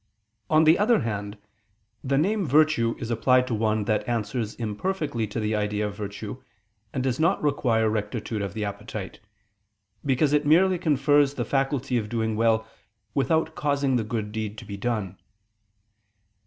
On the other hand, the name virtue is applied to one that answers imperfectly to the idea of virtue, and does not require rectitude of the appetite: because it merely confers the faculty of doing well without causing the good deed to be done.